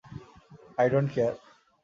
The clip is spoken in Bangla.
I don't care!